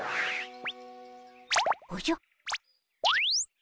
おじゃ？